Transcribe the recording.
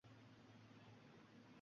Tog’larimning og’ir tosh tili